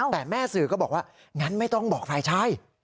แต่แม่สื่อก็บอกว่างั้นไม่ต้องบอกฝ่ายชาย